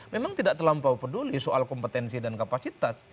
memang tidak terlampau peduli soal kompetensi dan kapasitas